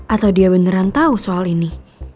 atau dia beneran tahu soal ini